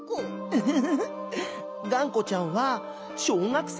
「ウフフフがんこちゃんは小学生？」。